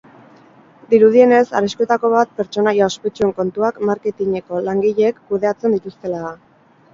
Dirudienez, arriskuetako bat pertsonaia ospetsuen kontuak marketingeko langileek kudeatzen dituztela da.